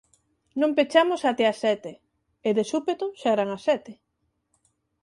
“Non pechamos até as sete,” e de súpeto xa eran as sete.